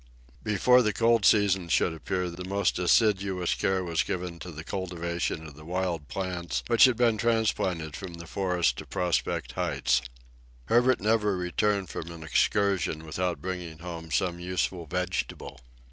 Before the cold season should appear the most assiduous care was given to the cultivation of the wild plants which had been transplanted from the forest to Prospect Heights. Herbert never returned from an excursion without bringing home some useful vegetable.